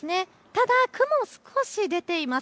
ただ雲、少し出ています。